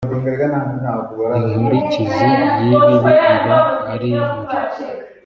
inkurikizi yibibi iba arimbi.